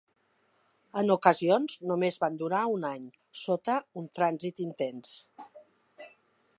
En ocasions, només van durar un any, sota un transit intens